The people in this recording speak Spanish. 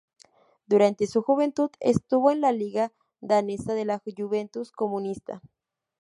Durante su juventud estuvo en la Liga danesa de la Juventud Comunista.